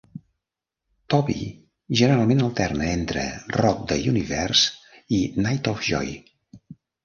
Toby generalment alterna entre Rock the Universe i Night of Joy.